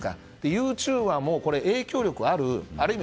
ユーチューバーも影響力があるある意味